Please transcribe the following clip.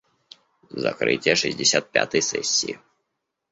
Закрытие шестьдесят пятой сессии.